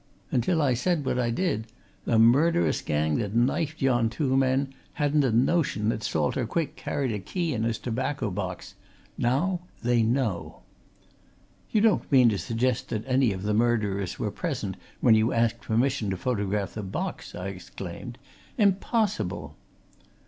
Until I said what I did, the murderous gang that knifed yon two men hadn't a notion that Salter Quick carried a key in his tobacco box! Now they know." "You don't mean to suggest that any of the murderers were present when you asked permission to photograph the box!" I exclaimed. "Impossible!"